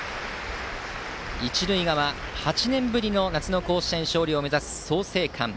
一塁側、８年ぶりの夏の甲子園勝利を目指す創成館。